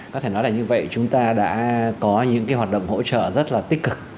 có thể nói là như vậy chúng ta đã có những hoạt động hỗ trợ rất là tích cực